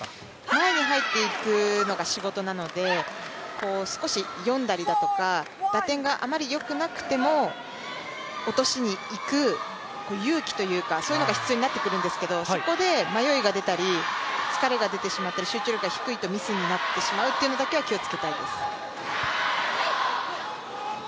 前に入っていくのが仕事なので、少し読んだりだとか、打点があまりよくなくても落としにいく勇気というかそういうのが必要になってくるんですけど、そこで迷いが出たり疲れが出てしまったり、集中力が低くなってしまうところを気をつけたいです。